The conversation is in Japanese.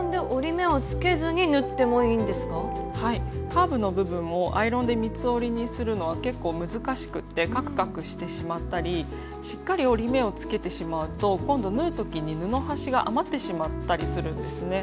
カーブの部分をアイロンで三つ折りにするのは結構難しくてカクカクしてしまったりしっかり折り目をつけてしまうと今度縫う時に布端が余ってしまったりするんですね。